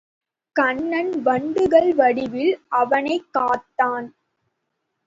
கண்ணன் வண்டுகள் வடிவில் அவனைக் காத்தான்.